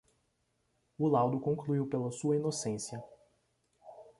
O laudo concluiu pela sua inocência.